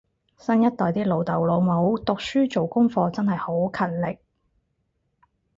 新一代啲老豆老母讀書做功課真係好勤力